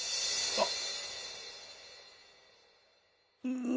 あっ。